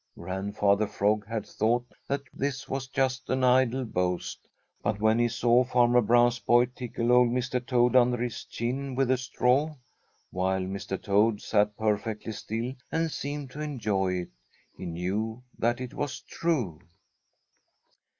Grandfather Frog had thought that this was just an idle boast, but when he saw Farmer Brown's boy tickle old Mr. Toad under his chin with a straw, while Mr. Toad sat perfectly still and seemed to enjoy it, he knew that it was true.